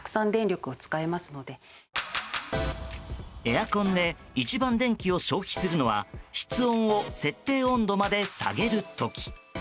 エアコンで一番、電気を消費するのは室温を設定温度まで下げる時。